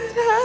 di rumah ga